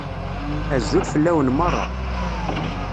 Azul fell-awen meṛṛa.